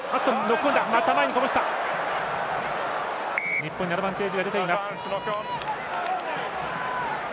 日本にアドバンテージが出ています。